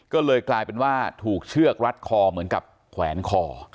ก็เลยกลายเป็นว่าถูกเชือกรัดคอเหมือนกับแขวนคอ